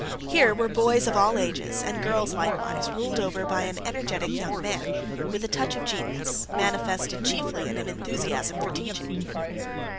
Here were boys of all ages, and girls likewise, ruled over by an energetic young man, with a touch of genius, manifested chiefly in an enthusiasm for teaching.